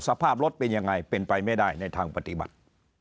สภาพรถเป็นยังไงเป็นไปไม่ได้ในทางปฏิบัติ